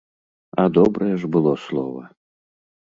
А добрае ж было слова.